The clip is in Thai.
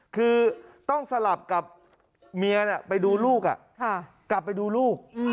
คือต้องสลับกับเมียไปดูลูกกลับไปดูลูก